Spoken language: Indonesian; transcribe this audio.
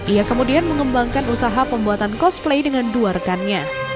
ia kemudian mengembangkan usaha pembuatan cosplay dengan dua rekannya